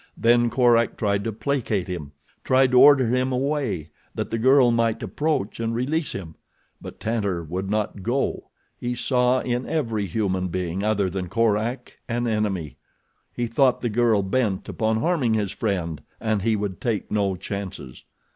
Then Korak tried to placate him. Tried to order him away, that the girl might approach and release him; but Tantor would not go. He saw in every human being other than Korak an enemy. He thought the girl bent upon harming his friend and he would take no chances.